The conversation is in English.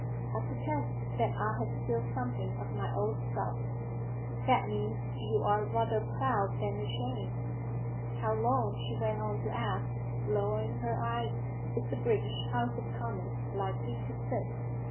I protest that I have still something of my old self.' 'That means you are rather proud than ashamed. How' long,' she went on to ask, lowering her eyes, 'is the British House of Commons likely to sit?'